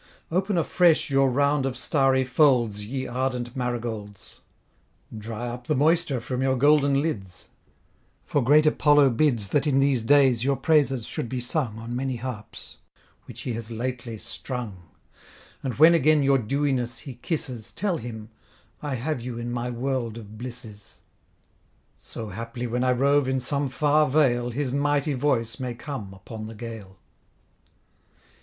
Open afresh your round of starry folds, Ye ardent marigolds! Dry up the moisture from your golden lids, For great Apollo bids That in these days your praises should be sung On many harps, which he has lately strung; And when again your dewiness he kisses, Tell him, I have you in my world of blisses: So haply when I rove in some far vale, His mighty voice may come upon the gale.